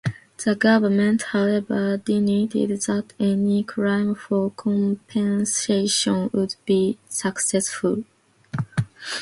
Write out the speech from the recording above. The government, however, denied that any claim for compensation would be successful.